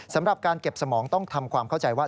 สำหรับการเก็บสมองต้องทำความเข้าใจว่า